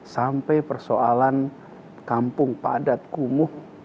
sampai persoalan kampung padat kumuh